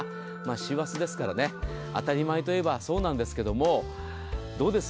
師走ですからね当たり前といえばそうなんですがどうです？